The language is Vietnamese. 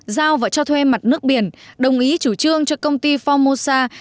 giao và cho thuê mặt nước biển đồng ý chủ trương cho công ty formosa